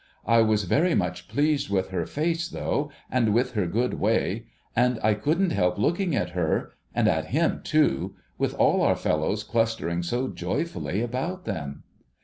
I was very much pleased with her face though, and with her good way, and I couldn't help looking at her — and at him too — with all our fellows clustering so joyfully about them.